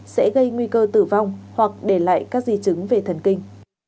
sẽ gây nguy cơ tử vong hoặc để lại các di chứng về thần kinh